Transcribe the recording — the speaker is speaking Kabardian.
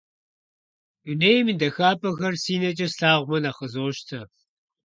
Дунейм и дахапӀэхэр си нэкӀэ слъагъумэ, нэхъ къызощтэ.